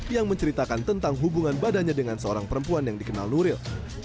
yang menceritakan tentang hubungan badannya dengan seorang perempuan yang dikenal nuril